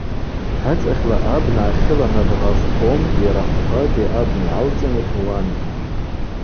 Хӏыцӏахьла абна ахьыла набгъашв къомкӏи рахвквакӏи абна йгӏалцӏын йхӏвуан.